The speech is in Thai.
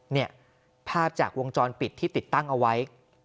เนี่ยภาพจากวงจรปิดที่ติดตั้งเอาไว้